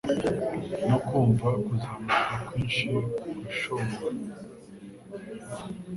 no kumva kuzamurwa kwinshi kwishongora